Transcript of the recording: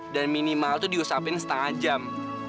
dan minimal tuh diusapin setengah jam